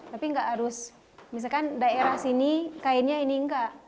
tapi nggak harus misalkan daerah sini kainnya ini enggak